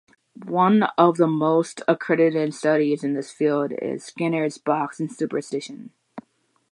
One of the most accredited studies in this field is Skinner's box and superstition.